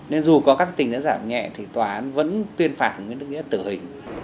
nên dù có các tính chất giảm nhẹ thì tòa án vẫn tuyên phạt nguyễn đức nghĩa tử hình